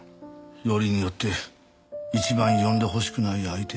よりによって一番呼んでほしくない相手を。